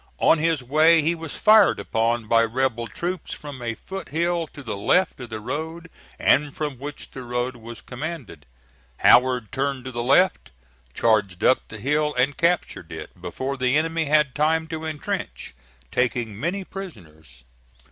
On his way he was fired upon by rebel troops from a foot hill to the left of the road and from which the road was commanded. Howard turned to the left, charged up the hill and captured it before the enemy had time to intrench, taking many prisoners.